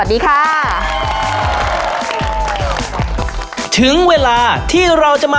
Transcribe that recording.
ใครที่ดูรายการเราอยู่แล้วใครที่ออกรายการเรา